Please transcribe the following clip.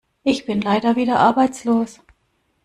Ich bin leider wieder arbeitslos.